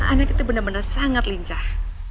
anak itu benar benar sangat lincah